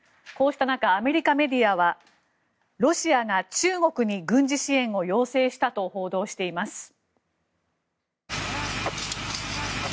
こうした中、アメリカメディアはロシアが中国に軍事支援を要請したと報道しています。